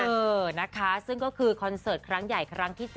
เออนะคะซึ่งก็คือคอนเสิร์ตครั้งใหญ่ครั้งที่๗